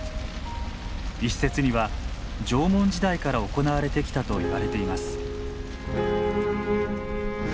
一説には縄文時代から行われてきたといわれています。